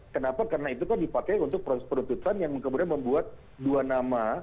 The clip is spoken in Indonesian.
kenapa karena itu kan dipakai untuk proses penuntutan yang kemudian membuat dua nama